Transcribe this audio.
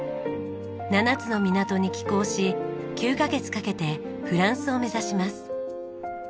７つの港に寄港し９カ月かけてフランスを目指します。